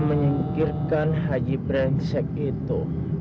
menyingkirkan haji brengsek itu